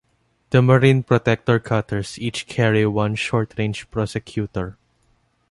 The Marine Protector cutters each carry one Short Range Prosecutor.